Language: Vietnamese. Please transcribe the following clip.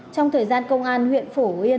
trong thời gian công an huyện phổ yên